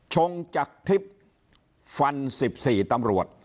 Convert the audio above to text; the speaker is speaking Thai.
ชงจากทิพย์ฟัน๑๔ตำรวจ